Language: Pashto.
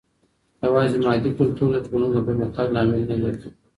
يوازي مادي کلتور د ټولني د پرمختګ لامل نه ګرځي.